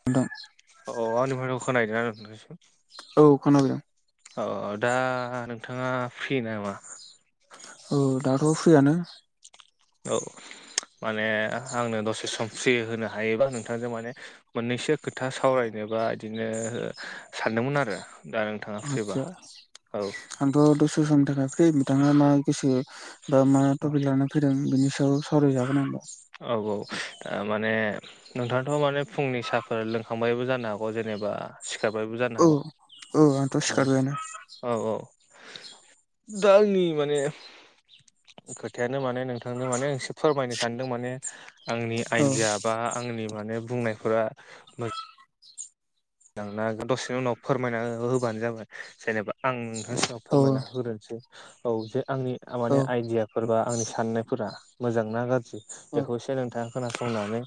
नोंथां अ आंनि माथोखौ खोनाहैदोंना नोंथाङनिसिम औ खोनाफैदों औ दा नोंथाङा फ्रि नामा? औ दाथ फ्रियानो औ माने आंनो दसे सम फ्रि होनो हायोबा नोंथांजों माने मोननैसो खोथा सावरायनोबा गदिनो सानदोंमोन आरो दा नों आदसा आंथ दसे समनि थाखाय फ्रि नोंथाङा मा गोसो बा मा टपिक लाना फैदों बेनि सायाव सावराय जागोन होमबा औ औ माने नोंथाङाथ माने फुंनि साहाफोर लोंखांबायबो जानो हागौ जेनेबा सिखारबायबो जानो औ हागौ औ आंथ' अ सिखारबायानो औ औ दा आनि माने खोथायानो माने नोंथांनो मानेसे फोरमायनो सानदों माने आंनि औ आइडिया बा आंनि माने बुंनायफोरा मो जांना हागोन दसेनि उनाव फोरमायना होबानो जाबाय जेनेबा आं फार्सेआव औ फोरमायना होग्रोनसै औ जे आंनि औ माने आइदिया फोरबा आंनि साननायफोरा मोजां ना गाज्रि बेखौ औ एसे नोंथाङा खोनासंनानै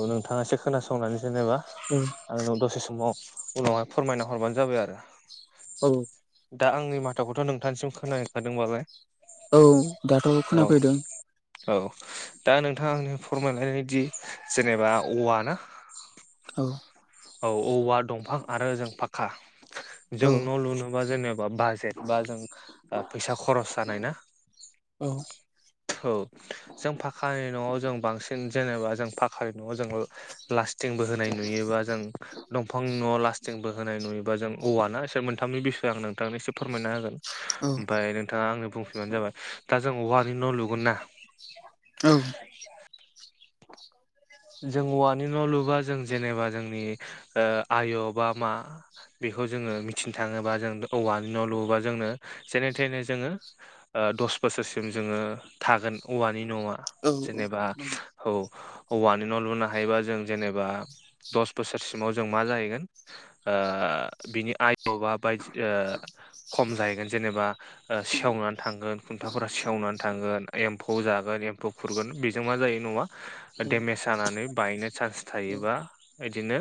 औ नोंथाङा एसे खोनासंनानै जेनेबा आंनो दसे समाव उनावहाय फोरमायना हरबानो जाबाय आरो औ दा आंनि माथाखौथ नोंथांनिसिम खोनखादोंबालाय औ दाथ खोनाफैदों औ दा नोंथाङा आंनो फोरमानानैहोदि जेनेबा औवा ना औ औ औवा दंफां आरो जों फाखका जों औ न' लुनोबा जेनेबा बाज जेनेबा जों फैसा खरस जानाय ना औ औ जों पाखानि न'आव जों बांसिन जेनेबा जों पाखानि न'आव जों लास्टि थिंबो होनाय नुयो बा दंफांनि न'आव लास्टिंबो होनाय नुयोबा जों औवाना एसे मोनथामनि बिसय आं नोंथांनो एसे फोरमायना होगोन ओमफ्राय नोंथाङा आंनो बुंफिनबानो जाबाय दा जों औवानि न' लुगोन ना औ जों औवानि न' लुबा जों जेनेबा जोंनि आय बा मा बेखौ जोङो मिथिनो थाङोबा जों औवानि न' लुबा जोंनो जेने थेने जोङो दस बोसोरसिम जोङो थागोन औवानि न'आ औ जेनेबा नंगौ औ औवानि न' लुनो हायोबा जों जेनेबा दस बोसोरसिमाव जों मा जाहैगोन ओ बिनि आयु बा बायदि ओ खम जाहैगोन जेनेबा ओ सेवनानै थांगोन खुन्थाफोरा सेवनानै थांगोन एम्फौ जागोन एम्फौ खुरगोन बेजों मा जायो न'आ औ डेमेज जानानै बायनो चान्स थायोबा औ बिदिनो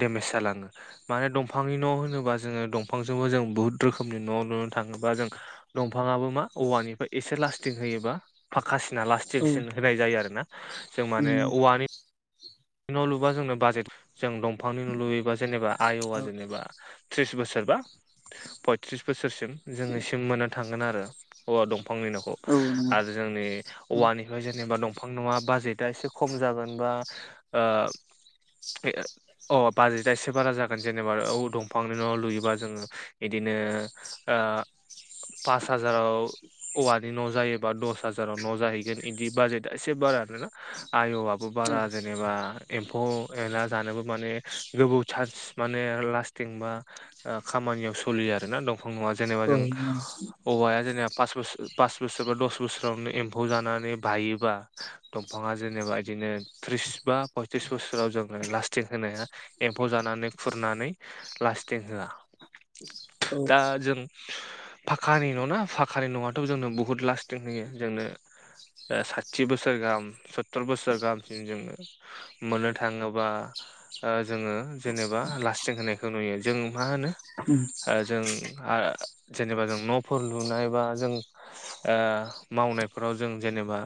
डेमेज जालाङो माने दंफांनि न' होनोबा जोङो दंफांजोंबो जों बुहुद रोखोमनि न' लुनो थाङोबा जों दंफाङाबो मा औवानिफ्राय एसे लास्टिं होयो बा फाखासिना औ लास्टिकसिन होनाय जायो आरोना जों माने उम औवानि न' लुबा जोंनो बाजेट जों दंफांनि न' लुयोबा जेनेबा आयआ औ जेनेबा थ्रिस बोसोरबा पयथ्रिस बोसोरसिम जोङोसिम मोननो थांगोन आरो औवा दंफांनि न'खौ औ नंगौ आरो जोंनि औ औवानिफ्राय जेनेबा दंफां न'वा बाजेटआ एसे खम जागोन बा ओ बे अ बाजेटआ एसे बारा जागोन जेनेबा औ दंफांनि न'आव लुयोबा जोङो बिदिनो आ पास हाजाराव औवानि न' जायोबा दस हाजाराव न' जाहैगोन इदि बाजेटआ एसे बारा आरोना आय'आबो बारा जेनब एम्फौ एला जानोबो माने गोबौ चान्स माने लास्टिं बा खामानियाव सोलियो आरोना दंफां नङा जेनेबा औ जों नंगौ औवाया जेनेबा पासबोसोर पास बोसोर बा दस बोसोरावनो एम्फौ जानानै बायोबा दंफाङा जेनेबा इदिनो त्रिस बा पयत्रिस बोसोराव जोङो लास्टिं होनाया एम्फौ जानानै खुरनानै लास्टिं होआ औ दा जों फाखानि न' ना फाखानि न'आथ' जोंनो बहुत लास्टिं होयो जोंनो साथि बोसोर गाम स स्तुर बोसोर गाहामसिम जोङो मोननो थाङोबा ओ जोङो जेनेबा लास्टिं होनायखौ नुयो जों मा होनो उम जों जेनेबा जों न'फोर लुनाय बा जों आ मावनायफोराव जों जेनेबा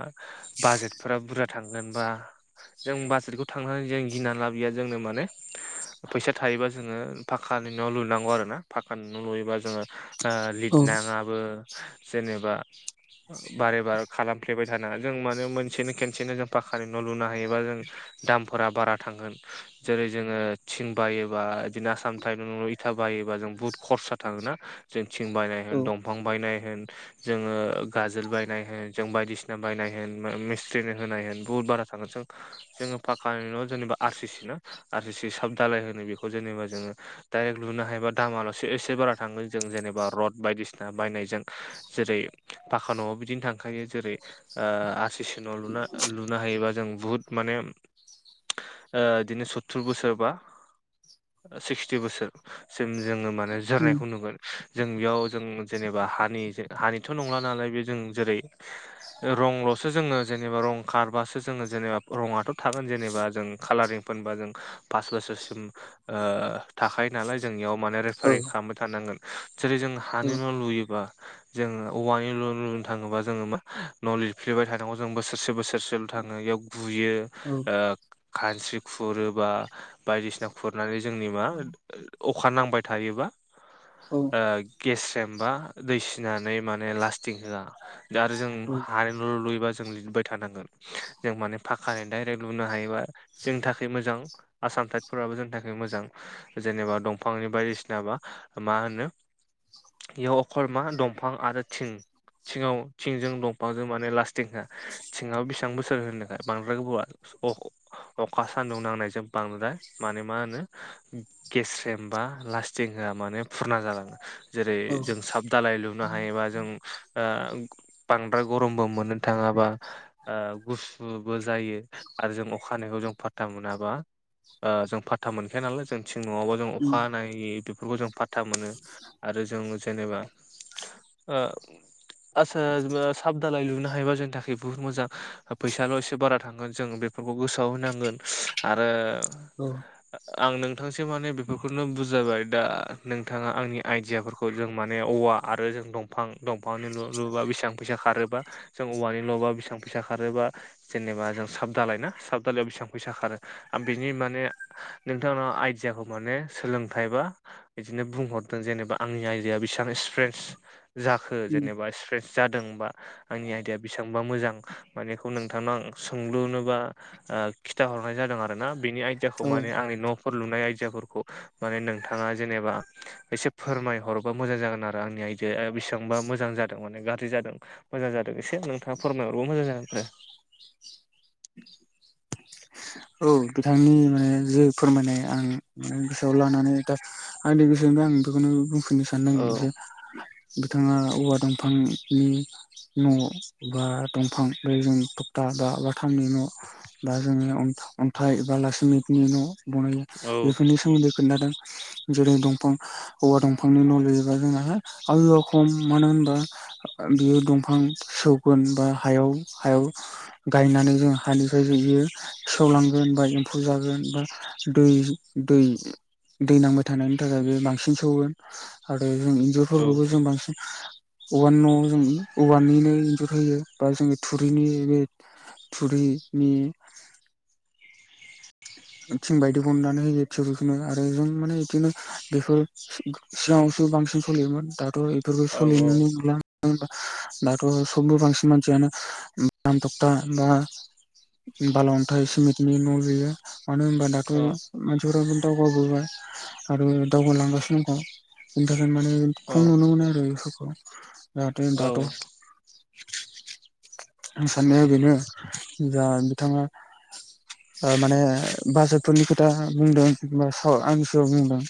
बाजेटफोरा बुरजा थांगोन बा जों बाजेटखौ थांनानै जों गिनानै लाबोया जोंनो माने फैसा थायोबा जोङो पाखानि न' लुनांगौ आरो ना पाखानि न' लुयोबा जोङो औ लिरनाङाबो जेनेबा बारे बार खालामफ्लेबाय थाना जों माने मोनसेनो खनसेनो जों पाखकानि न' लुनो हायोबा जों दामफोरा बारा थांगोन जेरै जोङो थिं बायोबा बिदिनो आसाम टाइम इथा बायोबा जों बुहुत खरसा थाङोना जों थिं बायनाय होन दंफां बायनाय होन जोङो गाजोल बायनाय होन जों बायदिसिना बायनाय होन मिस्थ्रिनो होनाय होन बहत बारा सांगस' जोङो पाखक्कानि न' जेनेबा आर सि सि ना आर सि सि साब दालाय होनो बेखौ जेनेबा जोङो डाइरेक्ट लुनो हायोबा दामाल'सो एसे बारा थाङो जों जेनेबा रड बायदिसिना बायनायजों जेरै पााखान'आव बिदिनो थांखायो जेरै आसिसनाव लुना लुनो हायोबा जों बुहुत माने बिदिनो सतथुर बोसोरबा सिक्सटि बोसोरसिम जोङो माने उम जोरनायखौ नुगोन जों बेयाव जों जेनेबा हानि हानिथ' नंला नालाय बे जों जेरै रंल'सो जोङो जेनेबा रं खारबासो जोङो जेबा रङाथ' थागोन जेनेबा जों खालारिं फबा जों पास बोसोरसिम थाखायायो नालाय जोंनियाव माने औ रेफारिं खालाम थानांगोन जेरै जों हानि न' लुयोबा जोङो औवानि लनो थाङोबा जोङो मा न' लिरफ्लेबाय थानांगौ जों बोसोरसे बोसोरसे थाङो बेयाव गुयो औ खानस्रि खुरोबा बायदिसिना खुरनानै जोंनि मा अखा नांबाय थायोबा गेसजोंमबा दै सिनानै माने लास्टिं होआ द आरो जों औ हानायल' लुयोबा जों लिरबाय थानांगोन जों माने पकानि दडाइरेक्ट लुनो हायोबा जोंनि थाखाय मोजां आसाम थटाइटफोराबो जोंनि थाखाय मोजां जेनेबा दंफांनि बायदिसिनाबा मा होनो बेयाव अखरमा दंफां आरो थिं थिङाव थिंजों दंफांजों माने लास्टिंखा थिङाव बेसेबां बेसेबां बोसोर होनो थाखाय बांद्राय गोबावआ अ अखा सान्दुं नांनाय जोबबांनोलाय मान मा होनो गेस्रेम बा लास्टिं होआ माने फुरना जालाङो जेरै औ औ जों साब दालाय लुनो हायोबा जों बांद्राय गरमबो मोननो थाङाबा गुसुबो जायो आरो जों अखानायखौ जों फा मोनाबा जों पाता मोनखाया नालाय जों थिं नङाबा जों औ अखानायै बेफोरखौ जों पाता मोनो। आरो जों जेनेबा ओ आचचसा साब दालाय लुनो हायोबा जोंनि थाखाय बहुत मोजां। फैसाल' एसे बारा थांगोन जों बेफोरखौ गोसोआव होनांगोन आरो आं नोंथांसो माने बेफोरखौनो बुजाबाय दा नोंथाङा आंनि आइदिियाफोरखौ जों माने औवा आरो जों दंफां दंफांनि लुबा बेसेबां फैसा खारोबा जों औवानिल'बा बेसेबां फैसा खारोबा जेनेबा जों साब दालाय ना साब दालायाव बेसेबां फैसा खारो? बिनि माने नोंथांाव आइडयाखौ माने सोलोंथाइ बा बिदिनो बुंहरदों जेनेबा आंनि आयदाया बेसेबां एक्सपिरियेन्स जाखो जेनेबा एक्सप्रेन्स जादोंबा आंनि आइदाया बेसेबांबा मोजां मानेखौ नोंथांनाव सोंलुनोबा खिथाहरनाय जादों आरो ना बेनि आयदियाखौ औ माने आंनि न'फोर लुनाय आयदियाफोरखौ माने नोंथाङा जेनेबा एसे फोरमायहरबा मोजां जागोन आरो आंनि आयदाया बेसेबांबा मोजां जादों माने गाज्रि जादों। मोजां जादों एसो नोंथाङा फोरमायहरबबो मोजां जागोन आरो। औ बिथांनि माने जे फोरमायनाय आं मे गोसोआव लानानै दा आंनि गोसोआवनो आं बेखौनो बुंफिनो सानदों औ जे बिथाङा औवा दंफांनि न' बा दंफां बे जों थकता बा बाथामनि न' दा जोङो अन्थाइ बा लासैमितनि न' बानायो बेफोरनि औ खोन्थादों जेरै दंफां हौवा दंफांनि न'लेजबा जोंना आयआ खम मानो होनबा बियो दंफां सौगोन बा हायाव हायाव गायनानै जों हानिफ्राय जयो। खावलांगोन बा एम्फौ जागोन बा दै दै दै नांबाय थानायनि थाखाय बे बांसिन सौगोन आरो जों औ इन्जुरफोरखौबो जों बांसिन औवानि न'आव जों औवानिनो इन्जुर होयो बा जोङो थुरिनि बे थुरै उम थिं बायदिखौननानै होयो थटिलखौनो आरो जों माने बिदिनो बेफोर सिगाङावसो बांसिन सलियोमोन दाथ' बेफोरखौ औ सलिनोनो नंला दाथ' सनि बांसिन मानसियानो दाम थकता बा बा अन्थाइ सिमेटनि न' लुयो। मानो होनबा दाथ' औ मानसिफोराबो दावगाबोबाय आरो दावगालांगासिनो नोंथां बेनि थाखायनो माने औ खुं नुनो मोनो आरो बेफोरखौ जाहाथे दाथ' साननाया बेनो जा बिथाङा माने बाजारफोरनि खोथा बुंदोंबा स आंनि सायाव बुंदों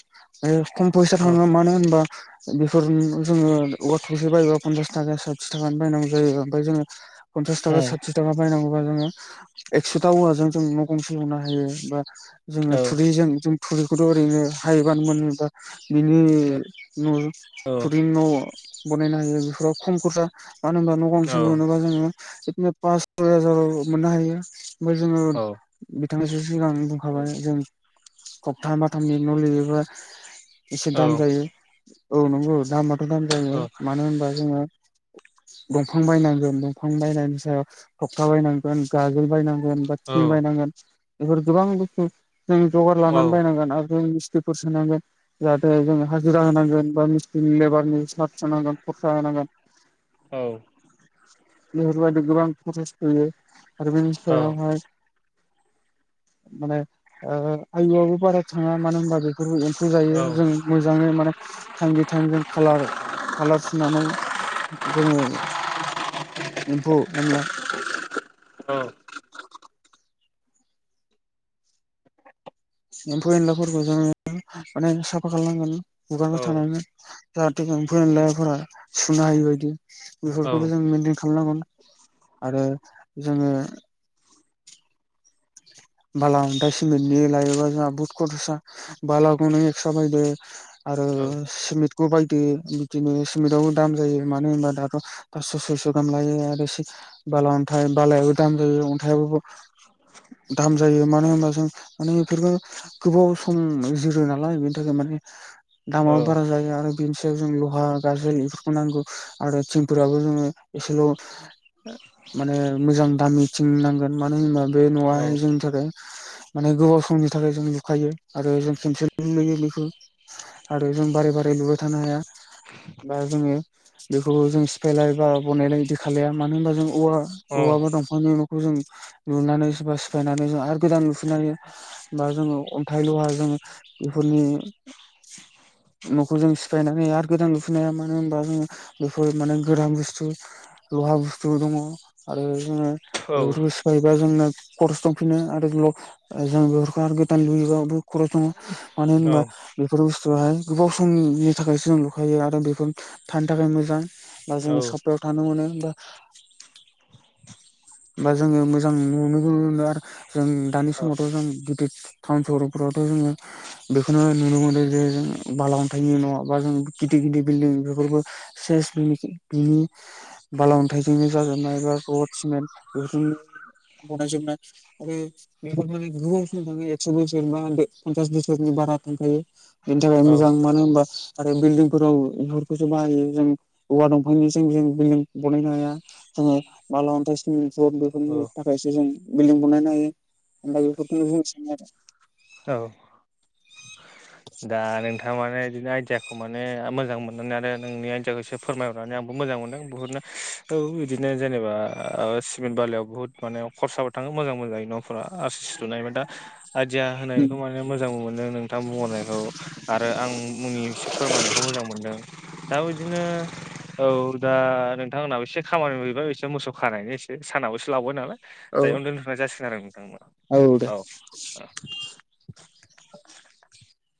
आरो खम फैसा औ थाङो मानो होनबा बेफोर जोङो अवा थौसे बायोबा पन्सास थाखा साथि थाखानि बायनांगौ जायो। ओमफ्राय जोङो पनसास थाखा उम साथिस थाखा बायनांगौब जोङो एक्स'था औवाजों न' गंसे लुनो हायो। हायो बा जोङो औ थुरिजों जों थुलिखौथ' ओरैनो हायोबानो मोनोबा बिनि न' औ प्रदिन न' बानायनो हायो बेफोराव खम खरसा मानो होनबा न' औ गांसे लुनोबा जोङो बिदिनो पास सय हाजार मोननो हायो ओमफ्राय जोङो औ बिथांाङसो सिगां औ बुंखाबाय जों सब्था बाथामनि न' लुयोबा एसे औ दाम जायो औ नंगौ दामाथ' दाम जायो औ मानो होनबा जोङो दंफां बायनांगोन दंफां बायनायनि सायाव थफथा बायनांगोन गाजोल बायनांगोन औ थिं बायनांगोन। बेफोर गोबां बुस्थु जों जगार लानानै बायनांगोन आरो जों मिस्थ्रिफोर सोनांगोन जाहाथे जोंङ हाजिरा होनांगोन बा मिस साथांगोन फोथांगोन। औ बेहबायदि गोबां खरस होयो आरो बिनि सायावहाय माने आयुआबो बारा थाङा मानो होनबा बेफोरबो एम्फौ जायो जों मोजाङै माने टाइम बे टाइम जों खालार कालार फिनानै जोङो एम्फौ एनला औ एम्फौ एनलाफोरखौ जोङो माने साफा खालामनांगोन हुगार थानांगोन। जाहाथे जों फोरोंलायाफोरा सुनो हायि बायदि बेफोरखौबो जों मेेनटेन खालामनांगोन। आरो जोङो बालाथ' सिमेन्टनि लायोबा जोंहा बहुत खरसा बालाखौनो एक्स्रा बायदो। आरो सिमेन्टखौ बायदो बिदिनो सिमेन्टावबो दाम जायो मानो होनबा दाथ' पासस' सयस' गाहाम लायो आरो बाला अन्थाइ बालायाबो दाम जायो अन्थाइबो दाम जायो मानो होनबा जों माने बेफोरफोरखौ गोबाव सम जिरो नालाय बेनि थाखाय माने दामाबो बारा जायो आरो बेनि सायाव जों लहा गाजोल बेफोरखौ नांगौ आरो थिंफोराबो जोङो एसेल' माने मोजां दामि थिं नांगोन मानो होनोबा बे न'आय थाखाय माने गोबाव समनि थाखाय जों लुखायो आरो जों खमसे नुयो बेखौ आरो जों बारै बारै लुबाय थानो हाया बा जोङो बेखौ जों सिफायलाय बा बनायलाय बिदि खालाया मानो होनबा जों औवा औवाबा दं। नखनि न'खौ जों लुनानै सोरबा सिफायनानै जों आरो गोदान लुफुनो हायो। बा जोङो अन्थाइ लहा जों बेफोरनि न'खौ जों सिफायनानै आरो गोदान लुफैनाया मानो होनबा जोङो बेफोर माने गदान बुस्थु लहा बुस्थु दङ आरो जोङो। बेफोरखौ सिफायोबा जोंनो खरस दंफिनो आरो जों बेफोरखौ आरो भुटान लुयोबाबो खरस नङा मानो होनबा बेफोर बुस्थुआहाय गोबाव समनि थाखायसो जों लुखायो आरो बेफोर थानो थाखाय मोजां। बा जों सबत थाना माहोना बा जोङो मोजां नुनो मोनो आरो जों दानि समावथ' जों टाउन सहरफ्रावथ' जोङो बेखौनो नुनो मोनदों जे जों बाला अन्थाइनि न' बा जों गिदिर गिदिर बिल्डिं बेफोरबो से बिनि बा अन्थाइजोंनो जाजेननाय एबा गड सिमेन्ट ग बनायस आरो बे माने ग थां एस' बस पन्स बसनि बारा थायो। बेनि थाखाय मोजां मानो होनबा आरो बिल्डिंफोराव बेुरफोरखौसो बाहायो जों औवा दंफांनिजों जों बिल्डिं बनायनो हाया। जोङो बाला अनथायस औ बेफोरनि थाखायसो जों बिल्डिं बानायनो हायो हा बेफोरखौनो बुंनो सानो आरो औ दा नोंथां मानो बिदिनो आइदियाखौ बेखौ माने मोजां मोननानै आरो नोंनि आनजखौ एसे फोरमायहरनानै आंबो मोजां मोनदों बिहुटनो औ बिदिनो जेनेबा सिमेन्ट बालायाव बहुत माने खरसाबो थाङो मोजां मोजाङै न आरसि सुा दा आइदिया होनायखौ माने मोजांबो मोनदों नोंथां बुंहनायखौ आरो आंनिसो फोरमायनायखौ मोजां मोनदों दा बिदिनो औ दा नोंथांमोननाबो एसे खामानि मोनहैबाय बिसोरो मोसौ खानायनि एसे सानाबोसो लाबोबाय नालाय। दायो आरो उन्दथ्रा जासिगोन आरो नोंथांमोना औ। अ